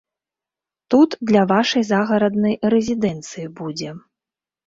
Тут для вашай загараднай рэзідэнцыі будзе.